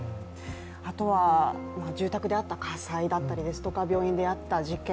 あとは住宅であった火災だとか、病院であった事件。